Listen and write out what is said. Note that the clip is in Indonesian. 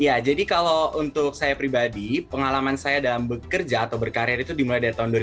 ya jadi kalau untuk saya pribadi pengalaman saya dalam bekerja atau berkarir itu dimulai dari tahun dua ribu dua